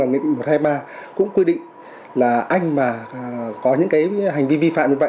nghị định một trăm hai mươi ba cũng quy định là anh mà có những cái hành vi vi phạm như vậy